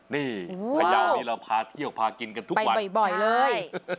นี่พยาวนี่เราพาเที่ยวพากินกันทุกวันบ่อยเลย